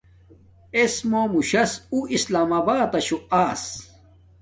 اِس مُوم موشس اُو اسلام آباتشوں ایس۔